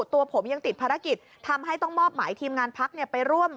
ตัวผมยังติดภารกิจทำให้ต้องมอบหมายทีมงานพักไปร่วม